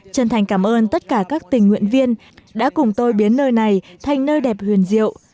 chân thành cảm ơn tất cả các tình nguyện viên đã cùng tôi biến nơi này thành nơi đẹp huyền diệu